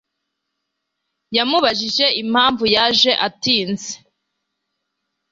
Yamubajije impamvu yaje atinze